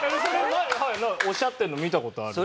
おっしゃってるの見た事ある。